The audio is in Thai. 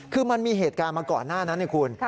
คือมันมีเหตุการณ์มาก่อนหน้านั้นนะคุณ